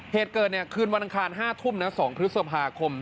เหตุเกิดคืนวันอังคาร๕ทุ่มนะ๒พฤษภาคม